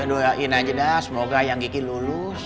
ya doyan clarida semoga yang bikin lulus